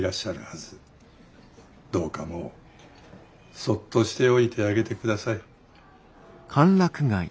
どうかもうそっとしておいてあげてください。